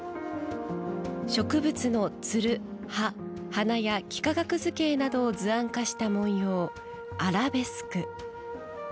植物のつる、葉、花や幾何学図形などを図案化した文様アラベスク。